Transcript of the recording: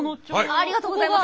ありがとうございます。